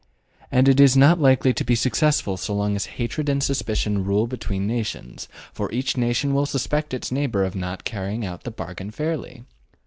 And it is not likely to be successful so long as hatred and suspicion rule between nations, for each nation will suspect its neighbor of not carrying out the bargain fairly.